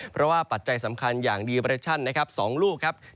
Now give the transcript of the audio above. เพราะว่าปัจจัยสำคัญอย่างดีเรชั่นนะครับ๒ลูกครับ